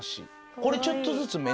これちょっとずつ。